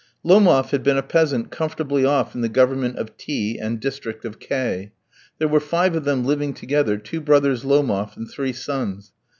Lomof had been a peasant comfortably off in the Government of T , and district of K . There were five of them living together, two brothers Lomof, and three sons.